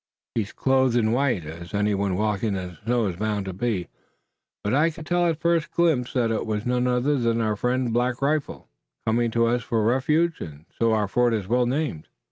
"He's clothed in white, as any one walking in this snow is bound to be, but I could tell at the first glimpse that it was none other than our friend, Black Rifle." "Coming to us for refuge, and so our fort is well named."